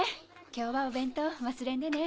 今日はお弁当忘れんでね。